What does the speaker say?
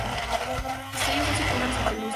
Los tallos son circulares con pelusa.